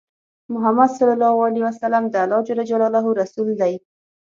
محمد صلی الله عليه وسلم د الله جل جلاله رسول دی۔